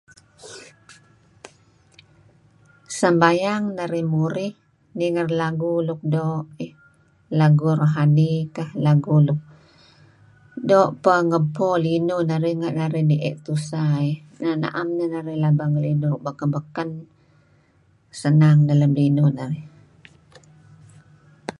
Sembayang narih murih, ninger lagu nuk doo' ih. Lagu rohani kah, lagu nuk doo' peh ngebpo linuh narih renga' nie' tusah eh, am neh narih laba ngelinuh nuk beken-beken. Senang neh lem linuh narih.